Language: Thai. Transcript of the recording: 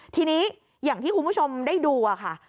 ทีนี้อย่างที่คุณผู้ชมได้ดูค่ะ